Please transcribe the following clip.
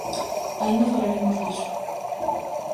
Aínda falaremos diso.